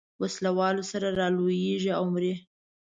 وسلو سره رالویېږي او مري.